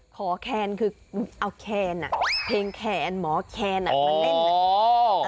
แคนคือเอาแคนอ่ะเพลงแคนหมอแคนมาเล่นอ่ะ